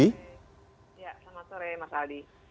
selamat sore mas aldi